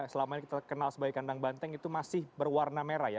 selama ini kita kenal sebagai kandang banteng itu masih berwarna merah ya